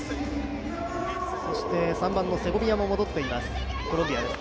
そして３番のセゴビアも戻っています、コロンビアです。